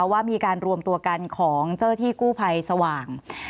ว่ามีการรวมตัวกันของเจ้าหน้าที่กู้ภัยสว่าง